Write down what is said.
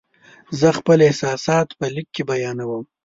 زه خپل احساسات په لیک کې بیانوم.